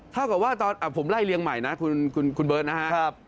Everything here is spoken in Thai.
เท่ากับว่าตอนผมไล่เรียงใหม่นะคุณเบิร์ตนะครับ